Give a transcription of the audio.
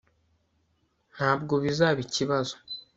ntabwo bizaba ikibazo